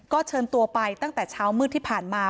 ก็เชิญตัวไปตั้งแต่เช้ามืดที่ผ่านมา